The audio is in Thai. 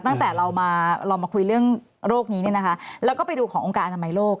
ตั้งแต่เรามาเรามาคุยเรื่องโรคนี้เนี่ยนะคะแล้วก็ไปดูขององค์การอนามัยโลก